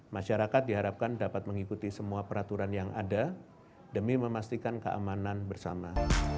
masyarakat diharapkan dapat mengikuti semua peraturan yang ada demi memastikan keamanan bersama